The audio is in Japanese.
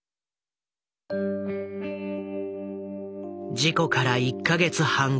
事故から１か月半後。